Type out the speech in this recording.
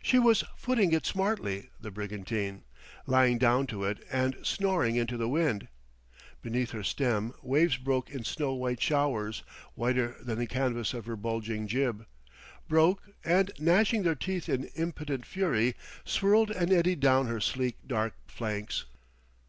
She was footing it smartly, the brigantine lying down to it and snoring into the wind. Beneath her stem waves broke in snow white showers, whiter than the canvas of her bulging jib broke and, gnashing their teeth in impotent fury, swirled and eddied down her sleek dark flanks.